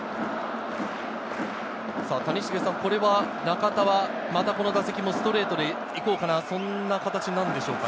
谷繁さん、中田はこの打席もストレートで行こうかな、そんな形なんでしょうか？